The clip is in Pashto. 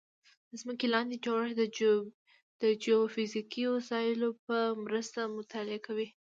د ځمکې لاندې جوړښت د جیوفزیکي وسایلو په مرسته مطالعه کوي